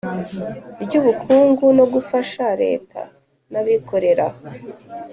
ry ubukungu no gufasha Leta n abikorera